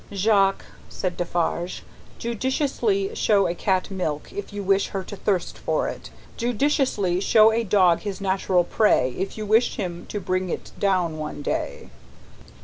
"Jacques," said Defarge; "judiciously show a cat milk, if you wish her to thirst for it. Judiciously show a dog his natural prey, if you wish him to bring it down one day."